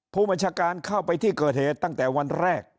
ผู้บัญชาการเข้าไปที่เกิดเหตุตั้งแต่วันแรก